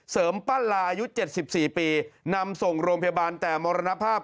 ปั้นลาอายุ๗๔ปีนำส่งโรงพยาบาลแต่มรณภาพ